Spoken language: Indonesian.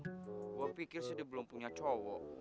gue pikir sih dia belum punya cowok